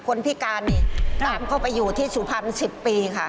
คนพิการนี่ตามเข้าไปอยู่ที่สุพรรณ๑๐ปีค่ะ